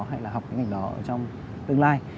hay là học cái ngành đó trong tương lai